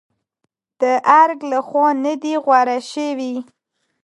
د ارګ لخوا نه دي غوره شوې.